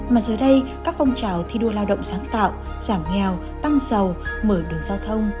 mà giờ đây các phong trào thi đua lao động sáng tạo giảm nghèo tăng sầu mở đường giao thông